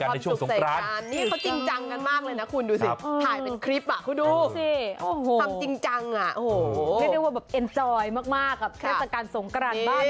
ไม่ใช่แแค่ที่อเมริกาที่สนุกขนานแบบนี้